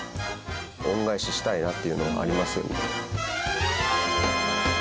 恩返ししたいなっていうのはありますよね。